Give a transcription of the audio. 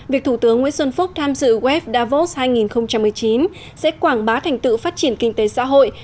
việc thủ tướng nguyễn xuân phúc tham dự wef davos hai nghìn một mươi chín sẽ quảng bá thành tựu phát triển kinh tế xã hội